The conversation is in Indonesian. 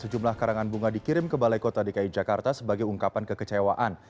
sejumlah karangan bunga dikirim ke balai kota dki jakarta sebagai ungkapan kekecewaan